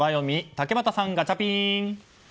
竹俣さん、ガチャピン！